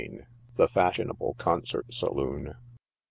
THE FASHIONABLE CONCERT SALOON.